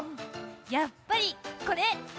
やっぱりこれ！